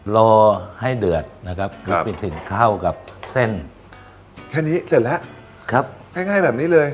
รอให้เดือดนะครับรวมไปถึงเข้ากับเส้นแค่นี้เสร็จแล้วครับง่ายแบบนี้เลย